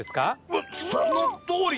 わっそのとおり。